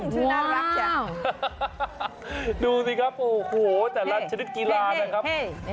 ชื่อน่ารักจังดูสิครับโอ้โหแต่ละชนิดกีฬานะครับ